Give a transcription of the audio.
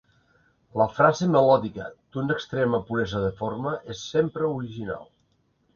La frase melòdica, d'una extrema puresa de forma, és sempre original.